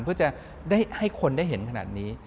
เพื่อจะได้ให้คนได้เห็นขนาดนี้